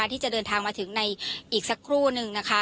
ที่จะเดินทางมาถึงในอีกสักครู่นึงนะคะ